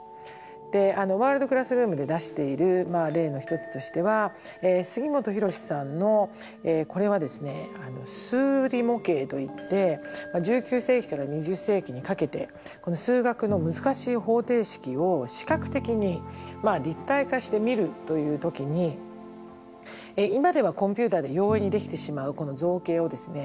「ワールド・クラスルーム」で出している例の一つとしては杉本博司さんのこれは数理模型と言って１９世紀から２０世紀にかけてこの数学の難しい方程式を視覚的に立体化して見るという時に今ではコンピューターで容易にできてしまうこの造形をですね